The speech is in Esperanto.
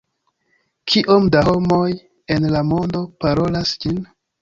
Kiom da homoj en la mondo parolas ĝin?